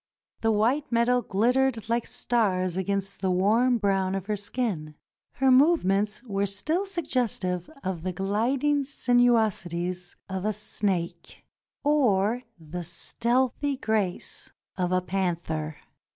The white metal glittered like stars against the warm brown of her skin. Her movements were still suggestive of the gliding sinuosities of a snake, or the stealthy grace of a panther.